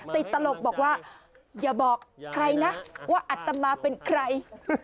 ตลกบอกว่าอย่าบอกใครนะว่าอัตมาเป็นใคร